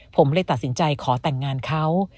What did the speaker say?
ผมเลยตัดสินใจขอแต่งงานเขา